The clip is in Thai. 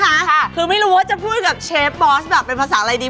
ไม่รู้เอาว่าจะพูดแบบเชฟบอสเป็นภาษาอะไรดี